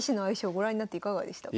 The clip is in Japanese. ご覧になっていかがでしたか？